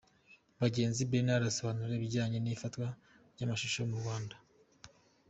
Bagenzi Bernard asobanura ibijyane n’ifatwa ry’amashusho mu Rwanda.